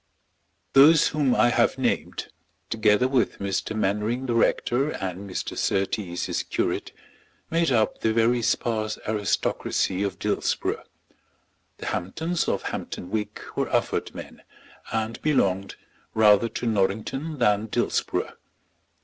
Those whom I have named, together with Mr. Mainwaring the rector, and Mr. Surtees his curate, made up the very sparse aristocracy of Dillsborough. The Hamptons of Hampton Wick were Ufford men, and belonged rather to Norrington than Dillsborough.